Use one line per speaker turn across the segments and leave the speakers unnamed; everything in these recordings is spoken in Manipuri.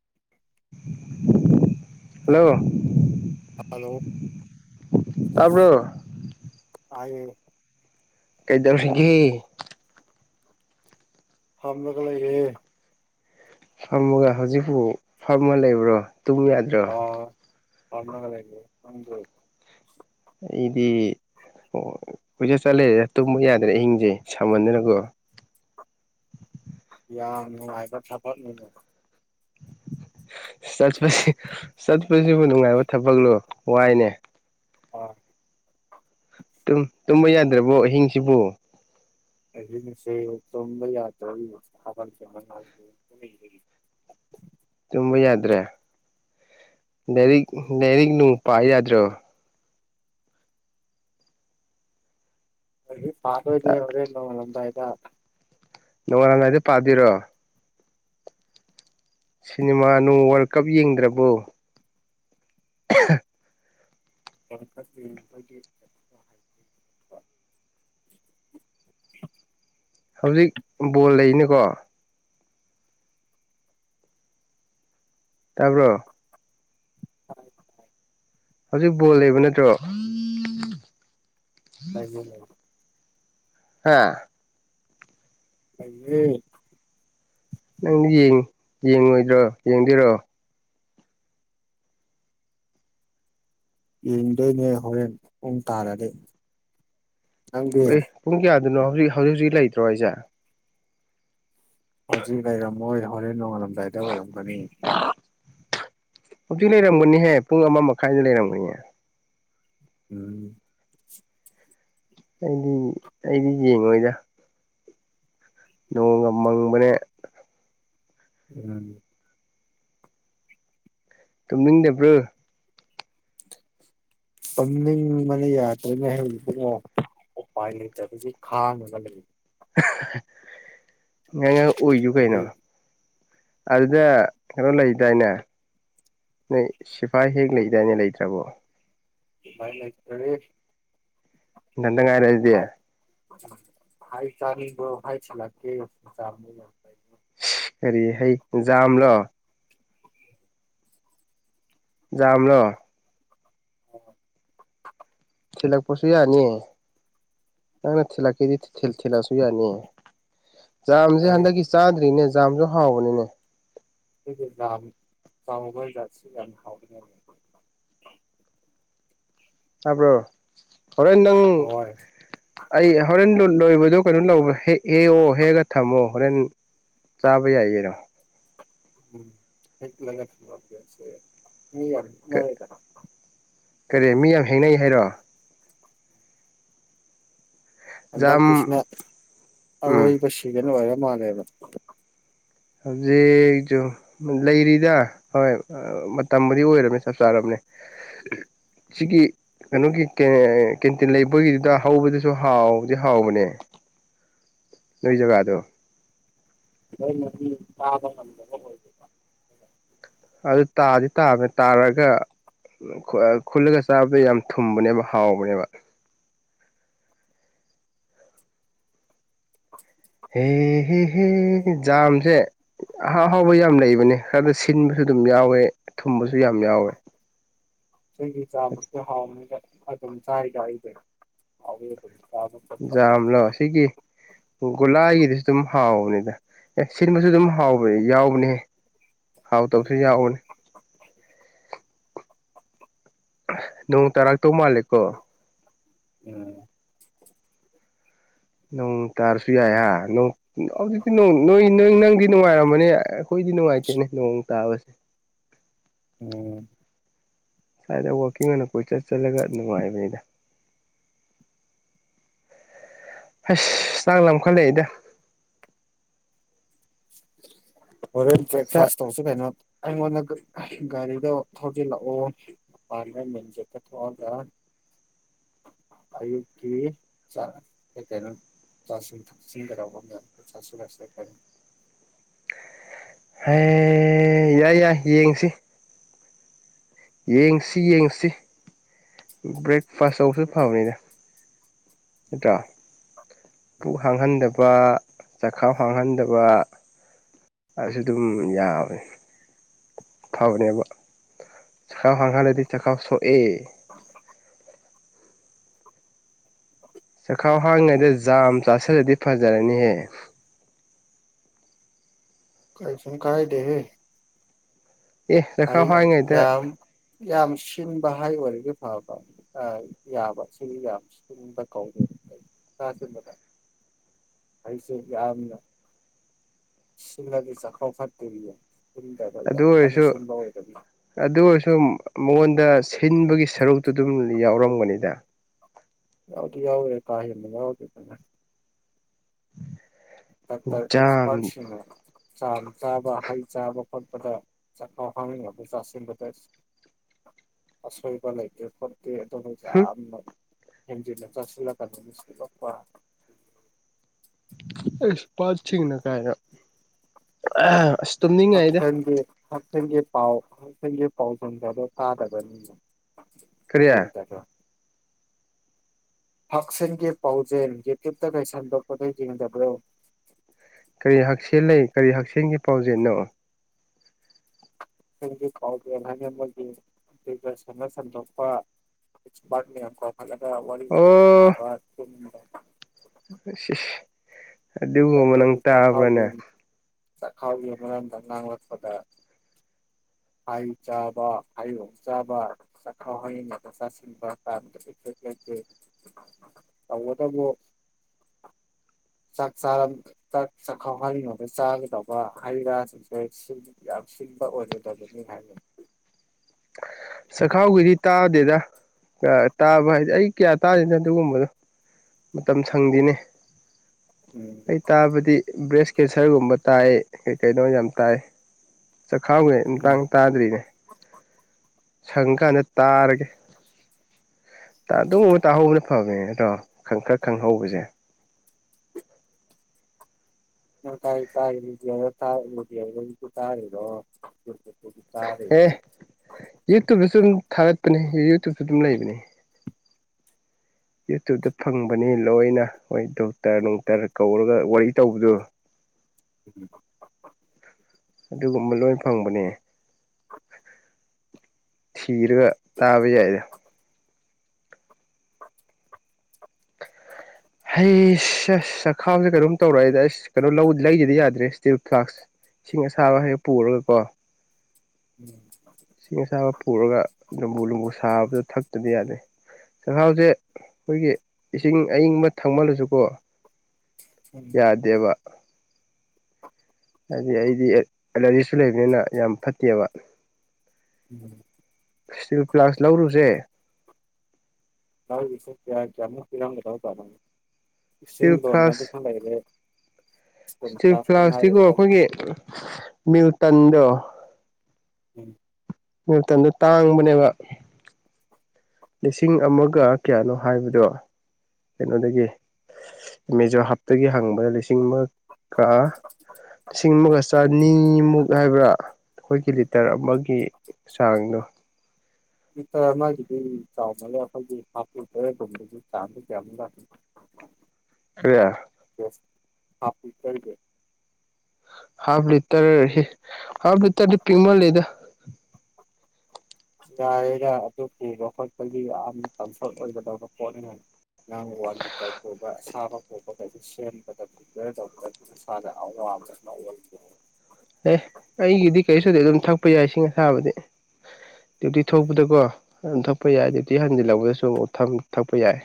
[inaudible]
[inaudible] ꯍꯜꯂꯣ
ꯍꯜꯂꯣ
ꯇꯥꯕ꯭ꯔꯣ
ꯍꯥꯏꯌꯦ
ꯀꯩꯗꯧꯔꯤꯒꯦ
ꯐꯝꯃꯒ ꯂꯩꯌꯦ
ꯐꯝꯃꯒ ꯍꯧꯖꯤꯛꯄꯨ ꯐꯝꯃ ꯂꯩꯕ꯭ꯔꯣ ꯇꯨꯝ
ꯑꯥ ꯐꯝꯃꯒ ꯂꯩꯕꯅꯤ ꯅꯪꯗꯤ
ꯑꯩꯗꯤ ꯑꯣ ꯒꯣꯏꯆꯠ ꯆꯠꯂꯦ ꯇꯨꯝꯕ ꯌꯥꯗ꯭ꯔꯦ ꯑꯍꯤꯡꯁꯦ ꯁꯝꯃꯟꯗꯅꯀꯣ
ꯌꯥꯝ ꯅꯨꯡꯉꯥꯢꯕ ꯊꯕꯛꯅꯤꯅꯦ
ꯆꯠꯄꯁꯤ ꯆꯠꯄꯁꯤꯕꯨ ꯅꯨꯡꯉꯥꯏꯕ ꯊꯕꯛꯂꯣ ꯋꯥꯏꯅꯦ
ꯑꯣ
ꯇꯨꯝꯕ ꯌꯥꯗ꯭ꯔꯕꯣ ꯑꯍꯤꯡꯁꯤꯕꯣ
ꯑꯩ ꯉꯁꯤ ꯇꯨꯝꯕ ꯌꯥꯗ꯭ꯔꯦ [unintelligible] [unintelligible] [unintelligible]
ꯇꯨꯝꯕ ꯌꯥꯗ꯭ꯔꯦ ꯂꯥꯏꯔꯤꯛ ꯂꯥꯏꯔꯤꯛ ꯅꯨꯡ ꯄꯥꯕ ꯌꯥꯗ꯭ꯔꯣ
ꯂꯤꯢꯔꯤꯛ ꯄꯥꯗꯣꯢꯅꯦ ꯍꯣꯔꯦꯟ ꯅꯣꯡꯉꯥꯜꯂꯝꯗꯥꯢꯗ
ꯅꯣꯡꯉꯥꯜꯂꯝꯗꯥꯢꯗ ꯄꯥꯗꯨꯢꯔꯣ ꯁꯤꯅꯤꯃꯥ ꯅꯣꯡ ꯋꯥꯔꯜ ꯀꯞ ꯌꯦꯡꯗ꯭ꯔꯕꯣ [unintelligible]
ꯋꯥꯔꯜ ꯀꯞ [unintelligible] [unintelligible]
ꯍꯧꯖꯤꯛ ꯕꯣꯜ ꯂꯩꯅꯦꯀꯣ ꯇꯥꯕ꯭ꯔꯣ
ꯇꯥꯢ ꯇꯥꯢ
ꯍꯧꯖꯤꯛ ꯕꯣꯜ ꯂꯩꯕ ꯅꯠꯇ꯭ꯔꯣ
ꯂꯩꯌꯦ ꯂꯩꯌꯦ
ꯍꯥꯥ
ꯂꯩꯌꯦ
ꯅꯪ ꯌꯦꯡ ꯌꯦꯡꯉꯣꯏꯗ꯭ꯔꯣ ꯌꯦꯡꯗꯣꯏꯔꯣ
ꯌꯦꯡꯗꯣꯏꯅꯧ ꯍꯣꯔꯦꯟ ꯄꯨꯡ ꯇꯔꯥꯗꯤ
ꯑꯣ ꯑꯦ ꯄꯨꯡ ꯀꯌꯥꯗꯅꯣ ꯍꯧꯖꯤꯛ ꯍꯧꯖꯤꯛ ꯍꯧꯖꯤꯛ ꯂꯩꯇ꯭ꯔꯣ ꯍꯥꯏꯁꯦ
ꯍꯧꯖꯤꯛ ꯂꯩꯔꯝꯃꯣꯏ ꯍꯣꯔꯦꯟ ꯅꯣꯡꯉꯥꯜꯂꯝꯗꯥꯏꯗ ꯑꯣꯏꯔꯝꯒꯅꯤ
ꯍꯧꯖꯤꯛ ꯂꯩꯔꯝꯒꯅꯤꯍꯦ ꯄꯨꯡ ꯑꯃ ꯃꯈꯥꯏꯗ ꯂꯩꯔꯝꯒꯅꯤ
ꯎꯝ
ꯑꯩꯗꯤ ꯑꯩꯗꯤ ꯌꯦꯡꯉꯣꯏꯗ ꯅꯣꯡꯒ ꯃꯪꯕꯅꯦ
ꯎꯝ
ꯇꯨꯝꯅꯤꯡꯗꯕ꯭ꯔꯣ
ꯇꯨꯝꯅꯤꯡꯕꯅ ꯌꯗ꯭ꯔꯦꯅꯦꯍꯦ ꯏꯕꯨꯡꯉꯣ ꯎꯄꯥꯏ ꯂꯩꯇꯕꯒꯤ ꯈꯥꯡꯕꯅꯦ
ꯅꯪ ꯑꯉꯥꯡ ꯑꯣꯏꯎ
ꯑꯗꯨꯗꯤ
ꯀꯩꯅꯣ ꯑꯗꯨꯗ ꯀꯩꯅꯣ ꯂꯩꯗꯥꯏꯅꯦ ꯅꯣꯏ ꯁꯤꯐꯥꯏ ꯍꯦꯛ ꯂꯩꯗꯥꯏꯅꯦ ꯂꯩꯇ꯭ꯔꯕꯣ
ꯁꯤꯐꯥꯏ ꯂꯩꯇ꯭ꯔꯦ
ꯏꯊꯟꯇ ꯉꯥꯏꯔꯦ ꯑꯗꯨꯗꯤ
ꯍꯩ ꯆꯥꯅꯤꯡꯕ꯭ꯔꯣ ꯍꯩ ꯊꯤꯜꯂꯛꯀꯦ ꯆꯥꯕꯅꯤꯅ
ꯀꯔꯤ ꯍꯩ ꯖꯥꯝ ꯂꯣ ꯖꯥꯝꯂꯣ
[inaudible]
ꯊꯤꯜꯂꯛꯄꯁꯨ ꯌꯥꯅꯤ ꯅꯪꯅ ꯊꯤꯂꯛꯀꯦꯗꯤ ꯊꯤꯜ ꯊꯤꯜꯂꯛꯑꯁꯨ ꯌꯥꯅꯤ ꯖꯥꯝꯁꯦ ꯍꯟꯗꯛꯀꯤ
ꯑꯩꯒꯤ
ꯆꯥꯗ꯭ꯔꯤꯅꯦ ꯖꯥꯝꯁꯨ ꯍꯥꯎꯕꯅꯤꯅꯦ
ꯑꯗꯨꯒꯤ ꯖꯥꯝ ꯆꯥꯎꯕꯖꯥꯠꯁꯤ ꯌꯥꯝ ꯍꯥꯎꯕꯅꯦ
ꯇꯥꯕ꯭ꯔꯣ ꯍꯣꯔꯦꯟ ꯅꯪ
ꯍꯋꯥꯏ
ꯑꯩ ꯍꯣꯔꯦꯟ ꯂꯣ ꯂꯣꯏꯕꯗꯨ ꯀꯩꯅꯣ ꯇꯧꯕ ꯍꯦꯛ ꯍꯦꯛꯑꯣ ꯍꯦꯛꯑꯒ ꯊꯝꯃꯣ ꯍꯣꯔꯦꯟ ꯆꯥꯕ ꯌꯥꯏ ꯀꯩꯅꯣ
ꯎꯝ [inaudible]
ꯀꯔꯤ ꯃꯤ ꯌꯥꯝ ꯍꯦꯛꯅꯩ ꯍꯥꯏꯔꯣ ꯖꯥꯝ
ꯍꯟꯗꯛꯀꯤꯁꯤꯅ
ꯎꯝ
ꯑꯔꯣꯏꯕ ꯁꯤꯖꯟ ꯑꯣꯏꯔ ꯃꯥꯜꯂꯦꯕ
ꯍꯧꯖꯤꯛꯁꯨ ꯂꯩꯔꯤꯗ ꯍꯣꯏ ꯃꯇꯝꯕꯨꯗꯤ ꯑꯣꯏꯔꯕꯅꯦ ꯆꯞ ꯆꯥꯔꯕꯅꯦ
[inaudible]
ꯁꯤꯒꯤ ꯀꯩꯅꯣꯒꯤ ꯀꯦ ꯀꯦꯟꯇꯤꯟ ꯂꯩꯕꯒꯤꯗꯨꯗ ꯍꯧꯕꯗꯨꯁꯨ ꯍꯥꯎꯕꯨꯗꯤ ꯍꯥꯎꯕꯅꯦ ꯑꯗꯨꯏ ꯖꯒꯥꯗꯣ
ꯑꯩꯅꯗꯤ ꯀꯥꯕ ꯉꯝꯗꯕ ꯑꯣꯏꯌꯦꯕ
ꯑꯗꯨ ꯇꯥꯗꯤ ꯇꯥꯕꯅꯦ ꯇꯥꯔꯒ ꯑꯥ ꯈꯨꯜꯂꯒ ꯆꯥꯕꯗꯣ ꯌꯥꯝ ꯊꯨꯝꯕꯅꯦꯕ ꯍꯥꯎꯕꯅꯦꯕ
[inaudible]
ꯍꯦ ꯍꯦ ꯍꯦ ꯖꯥꯝꯁꯦ ꯑꯍꯥꯎ ꯑꯍꯥꯎꯕ ꯌꯥꯝ ꯂꯩꯕꯅꯦ ꯈꯔ ꯁꯤꯟꯕꯁꯨ ꯑꯗꯨꯝ ꯌꯥꯎꯋꯦ ꯊꯨꯝꯕꯁꯨ ꯌꯥꯝ ꯌꯥꯎꯋꯦ
ꯆꯤꯒꯤ ꯖꯥꯝ ꯍꯥꯎꯕꯅꯤꯗ ꯑꯗꯨꯝ ꯆꯥꯏꯗ ꯑꯩꯗꯤ ꯍꯥꯎꯕꯅꯤ ꯆꯥꯕ ꯆꯠꯄ ꯀꯥꯟꯗ
ꯒꯣꯂꯥꯏꯒꯤꯗꯨꯁꯨ ꯑꯗꯨꯝ ꯍꯥꯎꯕꯅꯤꯗ ꯑꯦ ꯁꯤꯟꯕꯁꯨ ꯑꯗꯨꯝ ꯍꯥꯎꯕ ꯌꯥꯎꯕꯅꯤꯍꯦ ꯍꯥꯎꯇꯕꯁꯨ
ꯎꯝ
ꯌꯥꯎꯕꯅꯦ
[unintelligible]
ꯅꯣꯡ ꯇꯔꯥꯛꯇꯧ ꯃꯥꯜꯂꯤꯀꯣ
ꯎꯝ
ꯅꯪ ꯇꯥꯔꯁꯨ ꯌꯥꯏ ꯍꯥ ꯅꯣꯡ ꯍꯧꯖꯤꯛꯇꯤ ꯅꯣꯡ ꯅꯣꯏ ꯅꯪ ꯅꯪꯗꯤ ꯅꯨꯡꯉꯥꯏꯔꯝꯃꯅꯤ ꯑꯩꯈꯣꯏꯗꯤ ꯅꯨꯡꯉꯥꯏꯇꯦꯅꯦ ꯅꯣꯡ ꯇꯥꯕꯁꯦ
ꯎꯝ
ꯁ꯭ꯋꯥꯏꯗ ꯋꯥꯀꯤꯡ ꯑꯣꯏꯅ ꯀꯣꯏꯆꯠ ꯆꯠꯂꯒ ꯅꯨꯡꯉꯥꯏꯕꯅꯤꯗ ꯍꯁ ꯆꯥꯡ ꯂꯥꯝꯈꯠꯂꯛꯏꯗ
ꯍꯣꯔꯦꯟ
ꯆꯥꯛ
ꯕ꯭ꯔꯦꯛꯐꯥꯁ ꯇꯧꯁꯦ ꯀꯩꯅꯣ ꯑꯩꯉꯣꯟꯗ ꯒꯥꯔꯤ ꯒꯥꯔꯤꯗꯣ ꯊꯧꯖꯤꯜꯂꯛꯑꯣ ꯗꯨꯀꯥꯟꯗ ꯃꯦꯟ ꯒꯦꯠꯇ ꯊꯣꯛꯑꯒ ꯑꯌꯨꯛꯀꯤ ꯆꯥꯛ ꯀꯩꯀꯩꯅꯣ ꯆꯥꯁꯤꯟ ꯊꯛꯆꯤꯟꯒꯗꯧꯕ ꯑꯃꯅ [unintelligible]
ꯍꯩ ꯌꯥꯏ ꯌꯥꯏ ꯌꯦꯡꯁꯤ ꯌꯦꯡꯁꯤ ꯌꯦꯡꯁꯤ ꯕ꯭ꯔꯦꯛꯐꯥꯁ ꯇꯧꯕꯁꯨ ꯐꯕꯅꯤꯗ ꯅꯠꯇ꯭ꯔ ꯄꯨꯛ ꯍꯥꯡꯍꯟꯗꯕ ꯆꯈꯥꯎ ꯍꯥꯡꯍꯟꯗꯕ ꯑꯗꯨꯁꯨ ꯑꯗꯨꯝ ꯌꯥꯕꯅꯦ ꯐꯕꯅꯦꯕ ꯆꯈꯥꯎ ꯍꯥꯡꯍꯜꯂꯗꯤ ꯆꯈꯥꯎ ꯁꯣꯛꯑꯦ
[unintelligible] [unintelligible]
ꯆꯈꯥꯎ ꯍꯥꯡꯉꯤꯉꯩꯗ ꯖꯥꯝ ꯆꯥꯁꯤꯜꯂꯗꯤ ꯐꯖꯔꯅꯤꯍꯦ
ꯀꯩꯁꯨꯝ ꯀꯥꯏꯗꯦꯍꯦ
ꯑꯦ
ꯑꯩ
ꯆꯈꯥꯎ
ꯌꯥꯝ
ꯍꯥꯡꯉꯤꯉꯩꯗ
ꯌꯥꯝ ꯌꯥꯝ ꯁꯤꯟꯕ ꯍꯥꯏ ꯑꯣꯏꯔꯗꯤ ꯐꯕ ꯌꯥꯕ ꯁꯤ ꯌꯥꯝ ꯆꯨꯝꯕ ꯀꯧꯏ ꯑꯩ ꯊꯥ ꯆꯨꯝꯕꯗ ꯑꯩꯁꯦ ꯌꯥꯝꯅ ꯁꯤꯡꯂꯗꯤ ꯆꯈꯥꯎ ꯐꯠꯇꯦꯔꯤꯌꯦ ꯁꯤꯟꯗꯕ ꯌꯥꯝ
ꯑꯗꯨ
ꯀꯟꯅ
ꯑꯣꯏꯔꯁꯨ
ꯁꯤꯟꯕ ꯑꯣꯏꯗꯕꯤ
ꯑꯗꯨ ꯑꯣꯏꯔꯁꯨ ꯃꯉꯣꯟꯗ ꯁꯤꯟꯕꯒꯤ ꯁꯔꯨꯛꯇꯨ ꯑꯗꯨꯝ ꯌꯥꯎꯔꯝꯒꯅꯤꯗ
ꯌꯥꯎꯗꯤ ꯌꯥꯎꯒ꯭ꯔꯦ ꯀꯥ ꯍꯦꯟꯕ ꯌꯥꯎꯔꯣꯏꯗꯅ ꯗꯥꯛꯇꯔ ꯑꯦꯛꯁꯄꯔꯠ
ꯖꯥꯝ
ꯁꯤꯡꯅ ꯆꯥꯡ ꯆꯥꯕ ꯍꯩ ꯆꯥꯕ ꯈꯣꯠꯄꯗ ꯆꯥꯛꯈꯥꯎ ꯍꯥꯡꯅꯤꯡꯉꯩꯗ ꯆꯥꯁꯤꯟꯕꯗ ꯑꯁꯣꯏꯕ ꯂꯩꯇꯦꯀꯣ ꯑꯗꯨꯒ
ꯍꯨꯝ
ꯌꯥꯝꯅ ꯍꯦꯟꯖꯟꯅ ꯆꯥꯁꯤꯜꯂꯛꯀꯟꯗ ꯁꯣꯛꯂꯛꯄ
[unintelligible]
ꯍꯛꯁꯦꯜꯒꯤ ꯍꯛꯁꯦꯜꯒꯤ ꯄꯥꯎ ꯍꯛꯁꯦꯜꯒꯤ ꯄꯥꯎ ꯅꯣꯡꯒ ꯗꯣ ꯇꯥꯗꯕꯅꯤ
ꯀꯔꯤ
ꯌꯦꯡꯗꯕ꯭ꯔ ꯍꯛꯁꯦꯜꯒꯤ ꯄꯥꯎꯖꯦꯜ ꯌꯨꯇ꯭ꯌꯨꯨꯞꯇꯒ ꯁꯟꯗꯣꯛꯄꯗꯣ ꯌꯦꯡꯗꯕ꯭ꯔꯣ
ꯀꯔꯤ ꯍꯛꯁꯦꯜ ꯂꯩ ꯀꯔꯤ ꯍꯛꯁꯦꯜꯒꯤ ꯄꯥꯎꯖꯦꯜꯅꯣ
ꯍꯛꯁꯦꯜꯒꯤ ꯄꯥꯎꯖꯦꯜ ꯍꯥꯏꯅ ꯃꯣꯏꯒꯤ ꯗꯨꯔꯗꯔꯁꯟꯅ ꯁꯟꯗꯣꯛꯄ ꯑꯦꯛꯄ꯭ꯔꯁ ꯃꯌꯥꯝ ꯀꯧꯈꯛꯂꯒ ꯋꯥꯔꯤ ꯋꯥꯇꯥꯏ
ꯑꯣ
ꯁꯥꯅꯕ
ꯑꯗꯨꯒꯨꯝꯕ ꯅꯪ ꯇꯥꯕ꯭ꯔꯅꯦ
ꯆꯥꯛꯈꯥꯎ ꯒꯤ ꯃꯔꯝꯗꯥ ꯉꯥꯡꯂꯛꯄꯗ ꯍꯩ ꯆꯥꯕ ꯍꯩ ꯅꯣꯡ ꯆꯥꯕ ꯆꯥꯛꯈꯥꯎ ꯍꯥꯡꯉꯤ ꯉꯥꯏꯗ ꯆꯥꯁꯤꯟꯕ [unintelligible] ꯇꯧꯕꯇꯕꯨ ꯆꯥꯛ ꯆꯥ ꯆꯥꯛ ꯆꯥꯛꯈꯥꯎ ꯍꯥꯡꯔꯤꯉꯩꯗ ꯆꯥꯒꯦꯗꯧꯕ ꯍꯩꯔꯥ ꯁꯤꯡꯁꯦ ꯌꯥꯝ ꯁꯤꯟꯕ ꯑꯣꯏꯔꯣꯏꯗꯕꯅꯤ ꯍꯥꯏꯅ
ꯆꯈꯥꯎꯒꯤꯗꯤ ꯇꯥꯗꯦꯗ ꯇꯥꯕ ꯍꯥꯏꯗꯤ ꯑꯩ ꯀꯌꯥ ꯇꯥꯗꯦꯗ ꯑꯗꯨꯒꯨꯝꯕꯗꯣ ꯃꯇꯝ ꯁꯪꯗꯦꯅꯦ
ꯎꯝ
ꯑꯩ ꯇꯥꯕꯗꯤ ꯕ꯭ꯔꯦꯁ ꯀꯦꯟꯁꯔꯒꯨꯝꯕ ꯇꯥꯏ ꯀꯩ ꯀꯩꯅꯣ ꯌꯥꯝ ꯇꯥꯏ ꯆꯈꯥꯎꯅꯦ ꯃꯇꯥꯡ ꯇꯥꯗ꯭ꯔꯤꯅꯦ ꯁꯪꯀꯥꯟꯗ ꯇꯥꯔꯒꯦ
[unintelligible]
ꯑꯗꯨꯒꯨꯝꯕ ꯇꯥꯍꯧꯕꯅ ꯐꯕꯦꯅꯦ ꯅꯇꯣ ꯈꯪ ꯈꯔ ꯈꯪꯍꯧꯕꯁꯦ
[unintelligible]
ꯑꯦ ꯌꯨꯇꯕꯇꯁꯨ ꯑꯗꯨꯝ ꯊꯥꯒꯠꯄꯅꯦ ꯌꯨꯇꯕꯇ ꯑꯗꯨꯝ ꯂꯩꯕꯅꯦ ꯌꯨꯇ꯭ꯨꯕꯇ ꯐꯪꯕꯅꯤ ꯂꯣꯏꯅ ꯍꯣꯏ ꯗꯣꯛꯇꯔ ꯅꯨꯡꯇꯔ ꯀꯧꯔꯒ ꯋꯥꯔꯤ ꯇꯧꯕꯗꯨ
[unintelligible]
ꯑꯗꯨꯒꯨꯝꯕ ꯂꯣꯏ ꯐꯪꯕꯅꯦ ꯊꯤꯔꯒ ꯇꯥꯕ ꯌꯥꯏꯗ
[inaudible]
ꯍꯩꯁ ꯁ ꯆꯈꯥꯎꯁꯦ ꯀꯩꯅꯣꯝ ꯇꯧꯔꯛꯑꯏꯗ ꯑꯁ ꯀꯩꯅꯣ ꯂꯩꯒꯤꯗ ꯌꯥꯗ꯭ꯔꯦ ꯏꯁꯇꯤꯜ ꯐ꯭ꯂꯥꯛꯁ ꯏꯁꯤꯡ ꯑꯁꯥꯕ ꯍꯩꯔ ꯄꯨꯔꯒꯀꯣ
ꯎꯝ
ꯏꯁꯤꯡ ꯑꯁꯥꯕ ꯄꯨꯔꯒ ꯅꯨꯝꯕꯨ ꯂꯨꯝꯕꯨ ꯁꯥꯕꯗꯣ ꯊꯛꯇꯗꯤ ꯌꯥꯗꯦ ꯆꯥꯛꯈꯥꯎꯁꯦ ꯑꯩꯈꯣꯏꯒꯤ ꯏꯁꯤꯡ ꯑꯏꯤꯡꯕ ꯊꯛꯃꯜꯂꯁꯨꯀꯣ ꯌꯥꯗꯦꯕ ꯍꯥꯏꯗꯤ ꯑꯩꯗꯤ ꯑꯦꯂꯔꯤꯖꯤꯁꯨ ꯂꯩꯕꯅꯤꯅ ꯌꯥꯝ ꯐꯠꯇꯦꯕ
ꯎꯝ
ꯏꯁꯇꯤꯜ ꯐ꯭ꯂꯥꯛꯁ ꯂꯧꯔꯨꯁꯦ
[unintelligible] ꯀꯌꯥ ꯀꯌꯥꯃꯨꯛ ꯄꯤꯔꯝꯒꯗꯕ ꯖꯥꯠꯅꯣ ꯏꯁꯤꯡ
ꯏꯁꯇꯤꯜ ꯐ꯭ꯂꯥꯛꯁ
ꯂꯣꯟꯅꯕꯁꯨ ꯂꯩꯔꯦ ꯁ꯭ꯀꯨꯜ
ꯏꯁꯇꯤꯜ
ꯀ꯭ꯂꯥꯁꯇ
ꯐ꯭ꯂꯥꯁꯛꯇꯤꯀꯣ
ꯉꯥꯏꯔꯤꯕ
ꯑꯩꯈꯣꯏꯒꯤ ꯃꯤꯜꯇꯟꯗꯣ
ꯎꯝ
ꯃꯤꯜꯇꯟꯗꯣ ꯇꯥꯡꯕꯅꯦꯕ ꯂꯤꯁꯤꯡ ꯑꯃꯒ ꯀꯌꯥꯅꯣ ꯍꯥꯏꯕꯗꯣ ꯀꯩꯅꯣꯗꯒꯤ ꯃꯦꯖꯣ ꯍꯞꯇꯒꯤ ꯍꯪꯕꯗ ꯂꯤꯁꯤꯡ ꯑꯃ ꯒ ꯂꯤꯁꯤꯡ ꯑꯃꯒ ꯆꯅꯤꯃꯨꯛ ꯍꯥꯏꯕ꯭ꯔꯥ ꯑꯩꯈꯣꯏꯒꯤ ꯂꯤꯇꯔ ꯑꯃꯒꯤ ꯆꯥꯡꯗꯣ
[inaudible] ꯂꯤꯇꯔ ꯑꯃꯒꯤꯗꯤ ꯆꯥꯎꯃꯟꯂꯦ ꯑꯩꯈꯣꯏꯒꯤ ꯍꯥꯞꯂꯤꯇꯔ ꯒꯨꯝꯕꯒꯤ ꯆꯥꯡꯗ ꯀꯌꯥꯃꯨꯛ ꯂꯥꯛꯀꯗ꯭ꯔ [inaudible]
ꯀ꯭ꯔꯤ
ꯌꯦꯁ ꯍꯥꯞꯂꯤꯇꯔꯒꯤ
ꯍꯥꯐ ꯂꯤꯇꯔꯁꯤ ꯍꯥꯐ ꯂꯤꯇꯔꯗꯤ ꯄꯤꯛꯃꯜꯂꯦꯗ
[inaudible] ꯌꯥꯏꯗ ꯑꯗꯨ ꯄꯨꯕ ꯈꯣꯠꯄꯒꯤ ꯌꯥꯝꯅ ꯀꯟꯐꯔꯠ ꯑꯣꯏꯒꯗꯧꯕ ꯄꯣꯠꯅꯤ ꯅꯪ ꯋꯥꯟ ꯂꯤꯇꯔ ꯄꯨꯕ ꯑꯁꯥꯕ ꯈꯣꯠꯄ ꯀꯩꯁꯨ ꯁꯦꯝꯕꯗ ꯄ꯭ꯔꯤꯄꯦꯌꯔ ꯇꯧꯕꯗ ꯅꯁꯥꯗ ꯑꯋꯥꯕ ꯑꯃ ꯑꯣꯏꯕ
ꯑꯦ ꯑꯩꯒꯤꯗꯤ ꯀꯔꯤꯁꯨ ꯇꯧꯗꯤ ꯑꯗꯨꯝ ꯊꯛꯄ ꯌꯥꯏ ꯏꯁꯤꯡ ꯑꯁꯥꯕꯗꯤ ꯗ꯭ꯌꯨꯇꯤ ꯊꯣꯛꯄꯗꯀꯣ ꯑꯗꯨꯝ ꯊꯛꯄ ꯌꯥꯏ ꯗ꯭ꯌꯨꯇꯤ ꯍꯟꯖꯤꯜꯂꯛꯕꯗꯁꯨ ꯑꯃꯨꯛ ꯊꯝ ꯊꯛꯄ ꯌꯥꯏ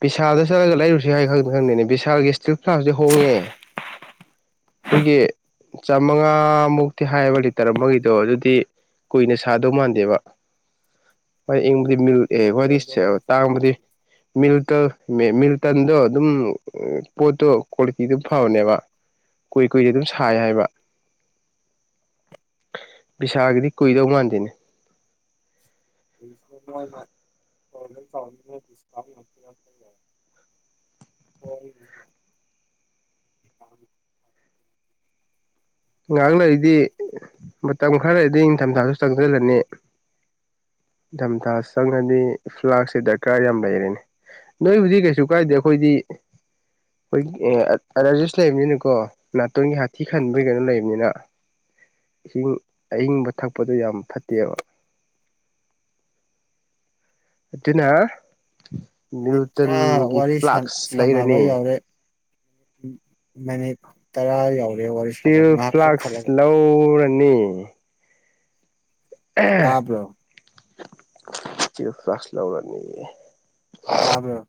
ꯕꯤꯁꯥꯜꯗ ꯆꯠꯂꯒ ꯂꯩꯔꯨꯁꯤ ꯍꯥꯏ ꯈꯪꯗ ꯈꯪꯅꯦ ꯕꯤꯁꯥꯜꯒꯤ ꯏꯁꯇ꯭ꯔꯤꯜ ꯐ꯭ꯂꯥꯁꯦ ꯍꯣꯡꯉꯦ ꯑꯩꯈꯣꯏꯒꯤ ꯆꯥꯃꯉꯥ ꯃꯨꯛꯇꯤ ꯍꯥꯏꯌꯦꯕ ꯂꯤꯇꯔ ꯑꯃꯒꯤꯗꯣ ꯑꯗꯨꯗꯤ ꯀꯨꯏꯅ ꯁꯥꯗꯨ ꯃꯥꯟꯗꯦꯕ
[inaudible]
[unintelligible]
ꯑꯗꯨꯒꯨꯝꯕꯁꯨ ꯂꯧꯗꯦ
ꯃꯤꯜꯇꯜ ꯃꯤꯜꯇꯟꯗꯣ ꯑꯗꯨꯝ ꯄꯣꯠꯇꯣ ꯀ꯭ꯋꯥꯂꯤꯇꯤꯗꯣ ꯐꯥꯕꯅꯦꯕ ꯀꯨꯏ ꯀꯨꯏ ꯑꯗꯨꯝ ꯁꯥꯏ ꯍꯥꯏꯕ ꯕꯤꯁꯥꯒꯤꯗꯤ ꯀꯨꯏꯗꯧ ꯃꯥꯟꯗꯦꯅꯦ
[unintelligible] [unintelligible]
ꯉꯥꯏꯍꯥꯛ ꯂꯩꯔꯗꯤ ꯃꯇꯝ ꯈꯔ ꯂꯩꯔꯗꯤ ꯅꯤꯡꯊꯝꯊꯥꯁꯨ ꯆꯪꯁꯤꯜꯂꯅꯤ ꯏꯊꯝꯊꯥ ꯆꯪꯂꯗꯤ ꯐ꯭ꯂꯥꯛꯁꯦ ꯗꯔꯀꯥꯔ ꯌꯥꯝ ꯂꯩꯔꯦꯅꯦ ꯅꯣꯏ ꯍꯧꯖꯤꯛ ꯀꯩꯁꯨ ꯀꯥꯏꯗꯦ ꯑꯩꯈꯣꯏꯗꯤ ꯑꯩꯈꯣꯏ ꯑꯂꯔꯖꯤꯁ ꯂꯩꯕꯅꯤꯅꯀꯣ ꯅꯥꯇꯣꯟꯒꯤ ꯍꯥꯊꯤ ꯈꯟꯕ ꯑꯩꯈꯣꯏ ꯀꯩꯅꯣ ꯂꯩꯕꯅꯤꯅ ꯏꯁꯤꯡ ꯑꯏꯪꯕ ꯊꯛꯄꯗꯣ ꯌꯥꯝ ꯐꯠꯇꯦꯕ ꯑꯗꯨꯅ
ꯃꯤꯅꯤꯠ ꯇꯔꯥ
ꯅꯤꯜꯇꯟꯒꯤ
ꯋꯥꯔꯤ
ꯐ꯭ꯂꯥꯛꯁ
ꯁꯥꯟꯅꯕ
ꯂꯩꯔꯅꯤ
ꯌꯥꯎꯔꯦ ꯃꯤꯅꯤꯠ ꯇꯔꯥ ꯌꯥꯎꯔꯦ ꯋꯥꯔꯤ ꯁꯥꯟꯅꯕ
ꯄꯣꯔꯅꯤ
ꯇꯥꯕ꯭ꯔꯣ
ꯥꯁ꯭ꯇꯤꯜ ꯐ꯭ꯂꯛꯁ ꯂꯧꯔꯅꯤꯌꯦ
ꯇꯥꯕ꯭ꯔꯣ